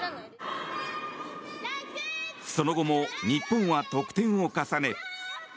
その後も日本は得点を重ね